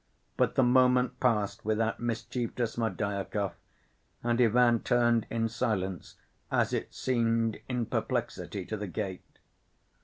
But the moment passed without mischief to Smerdyakov, and Ivan turned in silence, as it seemed in perplexity, to the gate.